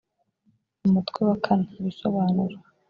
umutwe wa kane ibisobanuro